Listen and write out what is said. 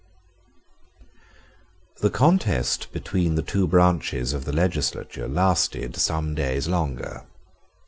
The contest between the two branches of the legislature lasted some days longer.